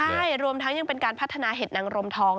ใช่รวมทั้งยังเป็นการพัฒนาเห็ดนางรมทอง